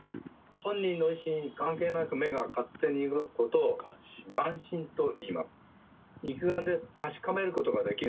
本人の意思に関係なく目が勝手に動くことを「眼振」といいます。